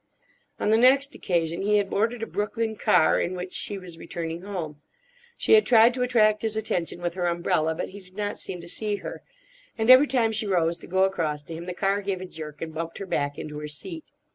On the next occasion he had boarded a Brooklyn car in which she was returning home. She had tried to attract his attention with her umbrella, but he did not seem to see her; and every time she rose to go across to him the car gave a jerk and bumped her back into her seat.